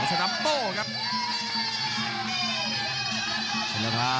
ราชดำโป้ครับ